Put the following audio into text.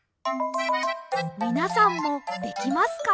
みなさんもできますか？